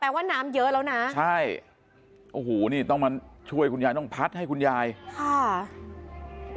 ว่าน้ำเยอะแล้วนะใช่โอ้โหนี่ต้องมาช่วยคุณยายต้องพัดให้คุณยายค่ะ